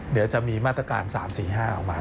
เดี๋ยวจะมีมาตรการ๓๔๕ออกมา